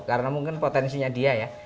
karena mungkin potensinya dia ya